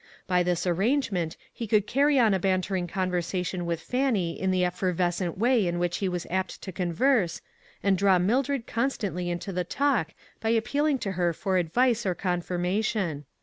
By this arrangement he could carry on a bantering conversation with Fannie in the ef fervescent way in which he was apt to con verse, and draw Mildred constantly into the talk by appealing to her for advice or con firmation.